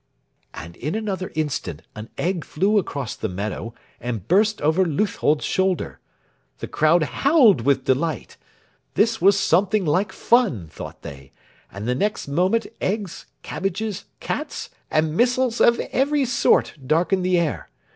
And in another instant an egg flew across the meadow, and burst over Leuthold's shoulder. The crowd howled with delight. This was something like fun, thought they, and the next moment eggs, cabbages, cats, and missiles of every sort darkened the air.